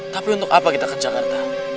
tapi untuk apa kita ke jakarta